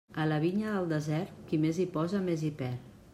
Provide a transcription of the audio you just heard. A la vinya del desert, qui més hi posa més hi perd.